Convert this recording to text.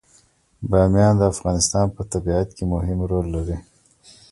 بامیان د افغانستان په طبیعت کې مهم رول لري.